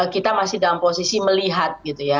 kita masih dalam posisi melihat